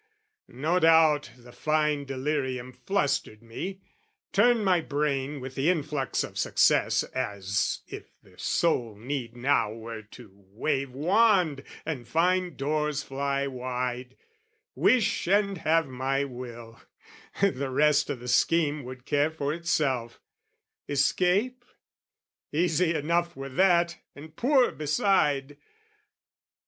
No doubt the fine delirium flustered me, Turned my brain with the influx of success As if the sole need now were to wave wand And find doors fly wide, wish and have my will, The rest o' the scheme would care for itself: escape? Easy enough were that, and poor beside!